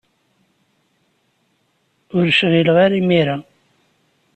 Ur cɣileɣ ara imir-a.